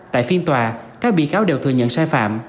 tại phiên tòa các bị cáo đều thừa nhận sai phạm